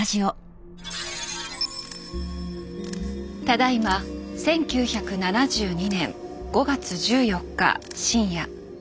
ただいま１９７２年５月１４日深夜。